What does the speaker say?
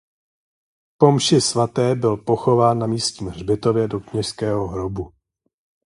Po mši svaté byl pochován na místním hřbitově do kněžského hrobu.